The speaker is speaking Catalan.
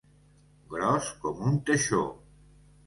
Gros com un teixó.